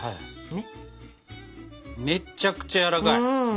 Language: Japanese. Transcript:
めっちゃくちゃやわらかい。